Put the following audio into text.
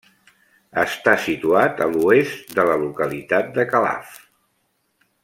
Està situat a l'oest de la localitat de Calaf.